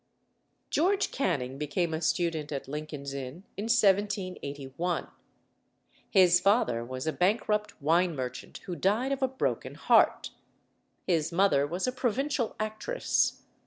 George Canning became a student at Lincoln's Inn in 1781. His father was a bankrupt wine merchant who died of a broken heart. His mother was a provincial actress.